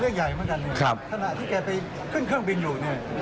ก็ใหญ่เหมือนกันครับขณะที่แกไปขึ้นเครื่องบินอยู่เนี่ย